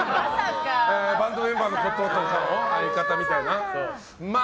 バンドメンバーのこととかを相方みたいな。